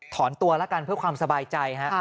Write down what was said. ถอนตัวแล้วกันเพื่อความสบายใจฮะ